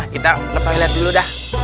kita lepok lihat dulu dah